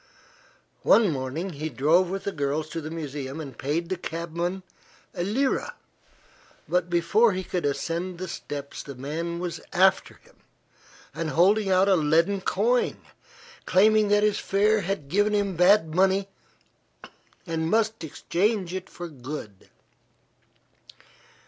One morning he drove with the girls to the museum and paid the cabman a lira, but before he could ascend the steps the man was after him and holding out a leaden coin, claiming that his fare had given him bad money and must exchange it for good.